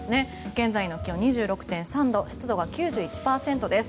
現在の気温、２６．３度湿度が９１％です。